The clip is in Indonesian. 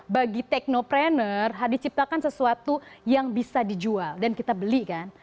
bagi teknopreneur diciptakan sesuatu yang bisa dijual dan kita beli kan